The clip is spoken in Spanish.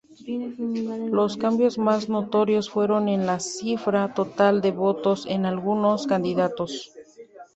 Los cambios más notorios fueron en la cifra total de votos en algunos candidatos.